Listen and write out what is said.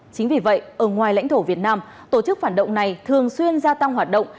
chính vì vậy ở ngoài lãnh thổ việt nam tổ chức phản động này thường xuyên gia tăng hoạt động